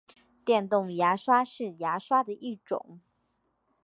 电动牙刷是牙刷的一种。